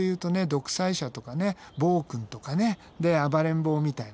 独裁者とかね暴君とかねで暴れん坊みたいなね